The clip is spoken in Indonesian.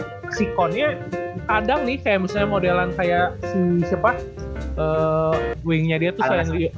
kayak si konyat kadang nih kayak misalnya modelan kayak si siapa wingnya dia tuh